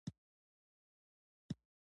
حاجي صیب میرحمزه موږ سره ډېر خوږ بنډار شروع کړ.